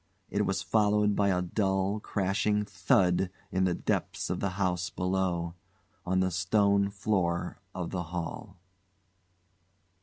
It was followed by a dull, crashing thud in the depths of the house below on the stone floor of the hall.